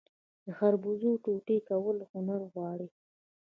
د خربوزې ټوټې کول هنر غواړي.